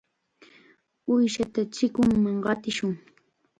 Uushata chikunman qatishun.